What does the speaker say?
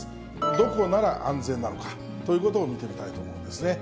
どこなら安全なのかということを見てみたいと思いますね。